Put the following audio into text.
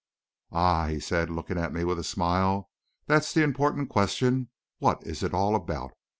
"Ah!" he said, looking at me with a smile. "That is the important question what is it all about!